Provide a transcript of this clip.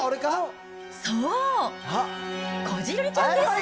そう、こじるりちゃんです。